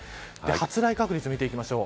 発雷確率を見ていきます。